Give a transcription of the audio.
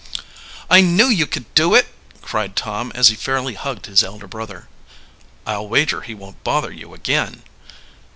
"I knew you could do it!" cried Tom, as he fairly hugged his elder brother. "I'll wager he won't bother you again."